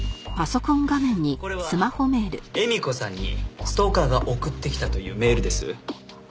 これは絵美子さんにストーカーが送ってきたというメールです。